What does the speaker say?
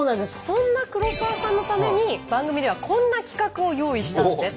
そんな黒沢さんのために番組ではこんな企画を用意したんです。